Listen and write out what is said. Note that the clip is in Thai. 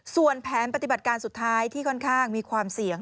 ส่วนแผนปฏิบัติการสุดท้ายที่ค่อนข้างมีความเสี่ยง